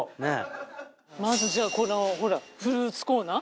まずじゃあこのほらフルーツコーナー。